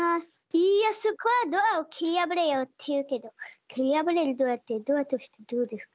「いやそこはドアをけりやぶれよ！っていうけどけりやぶれるドアってドアとしてどうですか？